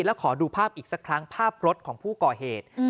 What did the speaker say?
แล้วขอดูภาพอีกสักครั้งภาพรถของผู้ก่อเหตุ